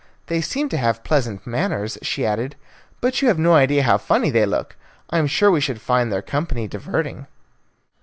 "They seem to have pleasant manners," she added, "but you have no idea how funny they look. I am sure we should find their company diverting."